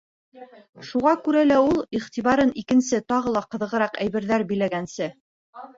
Шуға күрә ул, иғтибарын икенсе, тағы ла ҡыҙығыраҡ әйберҙәр биләгәнсе: